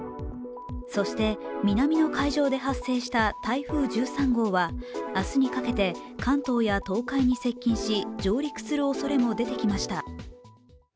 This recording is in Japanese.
そして南の海上で発生した台風１３号は明日にかけて関東や東海に接近し上陸するおそれも出てきました。